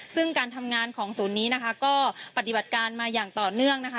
ซึ่งการทำงานของศูนย์นี้นะคะก็ปฏิบัติการมาอย่างต่อเนื่องนะคะ